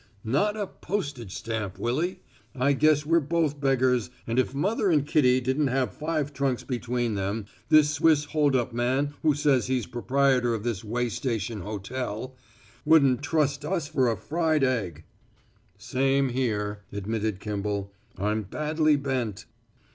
"Not a postage stamp, Willy! I guess we're both beggars, and if mother and Kitty didn't have five trunks between them this Swiss holdup man who says he's proprietor of this way station hotel wouldn't trust us for a fried egg." "Same here," admitted Kimball. "I'm badly bent."